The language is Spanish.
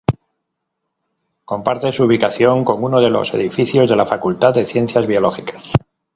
Comparte su ubicación con uno de los edificios de la Facultad de Ciencias Biológicas.